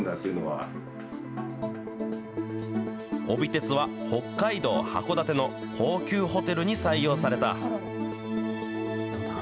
帯鉄は、北海道・函館の高級ホテルに採用された。